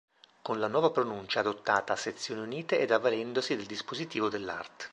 Con la nuova pronuncia adottata a Sezioni Unite ed avvalendosi del disposto dell’art.